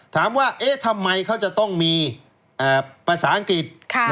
ถามว่าเอ๊ะทำไมเขาจะต้องมีภาษาอังกฤษ